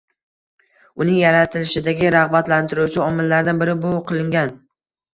Uning yaratilishidagi rag‘batlantiruvchi omillardan biri bu qilingan.